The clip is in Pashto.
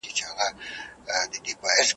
تور قسمت په تا آرام نه دی لیدلی ,